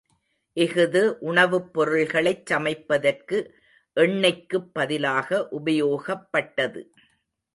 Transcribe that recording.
இஃது உணவுப் பொருள்களைச் சமைப்பதற்கு எண்ணெய்க்குப் பதிலாக உபயோகப்பட்டது.